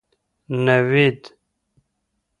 نوید